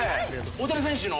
大谷選手の？